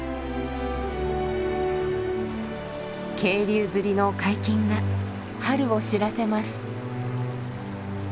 渓流釣りの解禁が春を知らせます。